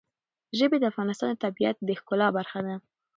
ژبې د افغانستان د طبیعت د ښکلا برخه ده.